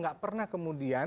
tidak pernah kemudian